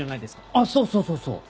あっそうそうそう。